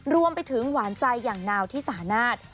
รวมไปถึงหวานใจอย่างนาวที่สานาท